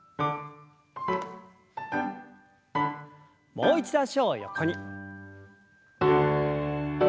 もう一度脚を横に。